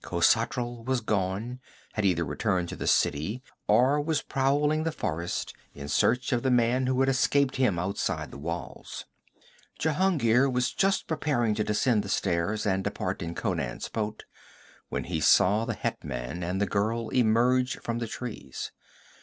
Khosatral was gone had either returned to the city or was prowling the forest in search of the man who had escaped him outside the walls. Jehungir was just preparing to descend the stairs and depart in Conan's boat, when he saw the hetman and the girl emerge from the trees.